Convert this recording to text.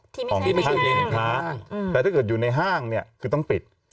ที่ไม่ใช่ห้างแต่ถ้าเกิดอยู่ในห้างเนี่ยคือต้องปิด